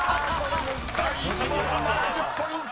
［第１問７０ポイント！］